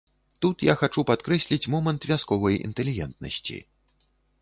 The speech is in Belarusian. Тут я хачу падкрэсліць момант вясковай інтэлігентнасці.